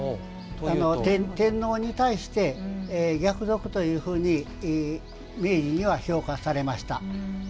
天皇に対して逆賊というふうに明治には評価されました。